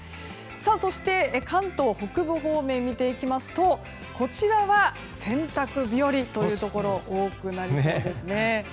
そして、関東北部方面を見ていきますと、こちらは洗濯日和というところ多くなりそうですね。